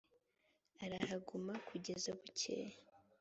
arahaguma kugeza bukeye